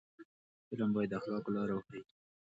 فلم باید د اخلاقو لار وښيي